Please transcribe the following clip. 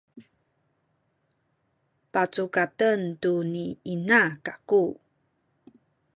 pacukaten tu ni ina kaku